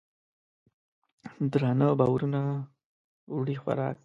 درانه بارونه وړي خوراک